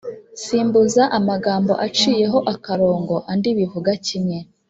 Simbuza amagambo aciyeho akarongo andi bivuga kimwe.